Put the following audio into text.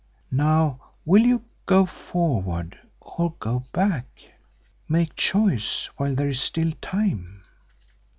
Now will you go forward, or go back? Make choice while there is still time."